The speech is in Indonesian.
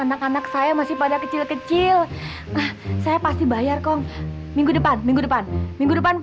anak anak saya masih pada kecil kecil saya pasti bayar kok minggu depan minggu depan minggu depan